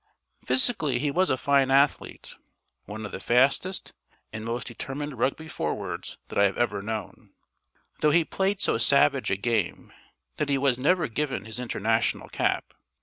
Physically he was a fine athlete one of the fastest and most determined Rugby forwards that I have ever known, though he played so savage a game that he was never given his international cap.